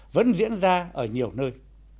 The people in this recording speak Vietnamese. vẫn diễn ra ở nhiều nơi